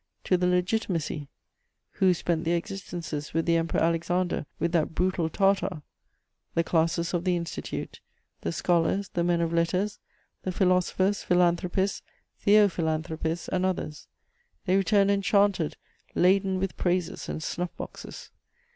To the Legitimacy. Who spent their existences with the Emperor Alexander, with that brutal Tartar? The classes of the Institute, the scholars, the men of letters, the philosophers, philanthropists, theophilanthropists and others; they returned enchanted, laden with praises and snuff boxes.